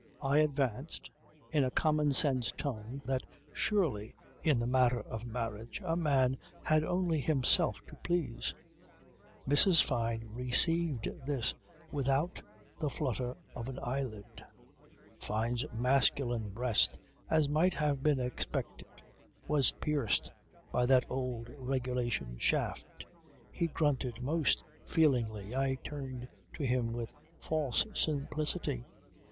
I advanced, in a common sense tone, that, surely, in the matter of marriage a man had only himself to please. Mrs. Fyne received this without the flutter of an eyelid. Fyne's masculine breast, as might have been expected, was pierced by that old, regulation shaft. He grunted most feelingly. I turned to him with false simplicity.